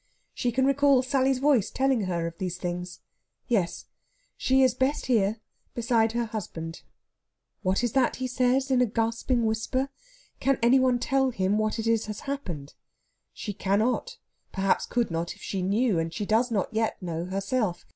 She can recall Sally's voice telling her of these things. Yes, she is best here beside her husband. What is it that he says in a gasping whisper? Can any one tell him what it is has happened? She cannot perhaps could not if she knew and she does not yet know herself.